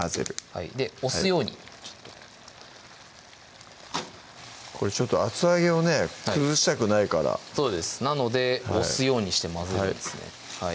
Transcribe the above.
はいで押すようにこれちょっと厚揚げをね崩したくないからそうですなので押すようにして混ぜるんですね